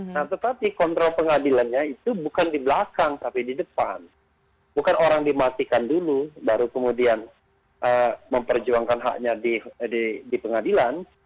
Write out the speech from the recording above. nah tetapi kontrol pengadilannya itu bukan di belakang tapi di depan bukan orang dimatikan dulu baru kemudian memperjuangkan haknya di pengadilan